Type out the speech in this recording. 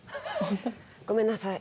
ごめんなさい。